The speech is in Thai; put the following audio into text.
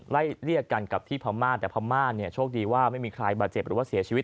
เรียกกันกับที่พม่าแต่พม่าเนี่ยโชคดีว่าไม่มีใครบาดเจ็บหรือว่าเสียชีวิต